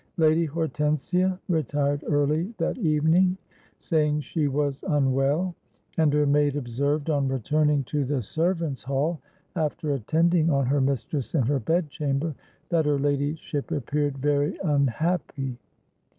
Lady Hortensia retired early that evening, saying she was unwell; and her maid observed on returning to the servants' hall, after attending on her mistress in her bed chamber, that her ladyship appeared very unhappy.